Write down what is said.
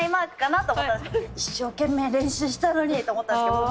「一生懸命練習したのに」と思ったんですけど。